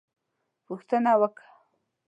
_پوښتنه وکه!